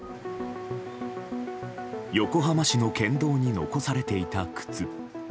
横浜市の県道に残されていた靴。